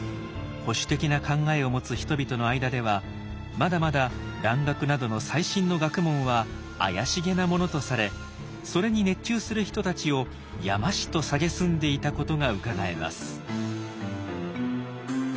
保守的な考えを持つ人々の間ではまだまだ蘭学などの最新の学問は怪しげなものとされそれに熱中する人たちを「山師」とさげすんでいたことがうかがえます。